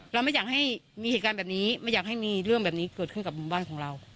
เราไม่อยากให้มีเหตุการณ์แบบนี้ไม่อยากให้มีเรื่องแบบนี้เกิดขึ้นกับหมู่บ้านของเรา